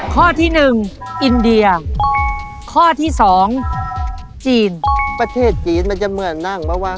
ข้อที่หนึ่งอินเดียข้อที่สองจีนประเทศจีนมันจะเหมือนนั่งเมื่อวาน